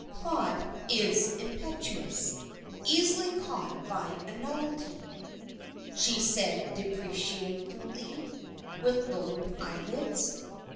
'" "Claude is impetuous, easily caught by novelty," she said deprecatingly, with lowered eyelids.